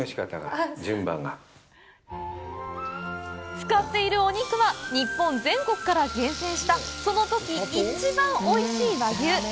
使っているお肉は日本全国から厳選したそのとき一番おいしい和牛。